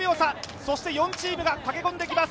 そして４チームが駆け込んできます。